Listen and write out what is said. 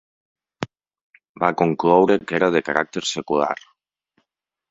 Va concloure que era de caràcter secular.